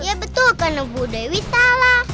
ya betul karena bu dewi salah